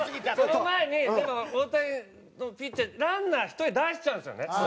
その前に大谷ピッチャーランナー１人出しちゃうんですよね。